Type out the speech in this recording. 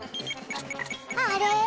あれ？